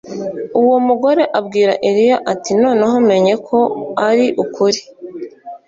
Uwo mugore abwira Eliya ati Noneho menye ko ari ukuri